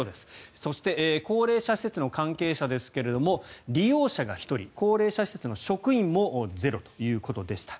そして高齢者施設の関係者ですが利用者が１人高齢者施設の職員もゼロということでした。